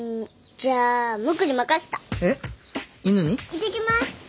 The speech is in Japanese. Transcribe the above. いってきます。